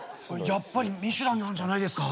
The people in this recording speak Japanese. やっぱりミシュランなんじゃないですか？